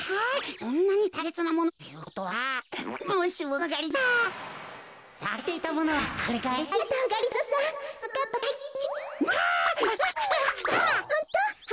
そんなにたいせつなものなのか？ということは。